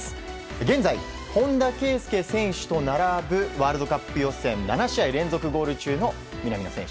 現在、本田圭佑選手と並ぶワールドカップ予選７試合連続ゴール中の南野選手。